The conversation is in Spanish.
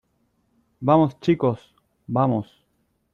vamos, chicos. vamos .